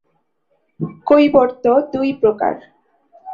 কৈবর্ত দুই প্রকার।